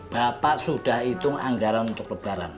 bapak sudah hitung anggaran untuk lebaran